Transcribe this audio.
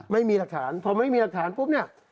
ไม่มีหลักฐานพอไม่มีหลักฐานปุ๊บเนี่ย